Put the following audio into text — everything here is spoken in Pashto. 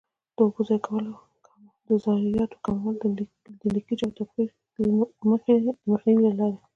د اوبو ضایعاتو کمول د لیکج او تبخیر د مخنیوي له لارې.